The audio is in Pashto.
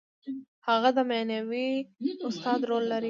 هغه د معنوي استاد رول لري.